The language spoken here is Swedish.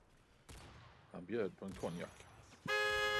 Han bjöd på en konjak.